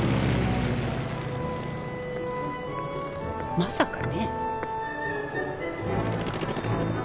まさかね。